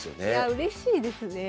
うれしいですねえ。